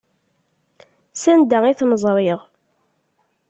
S anda i ten-ẓṛiɣ.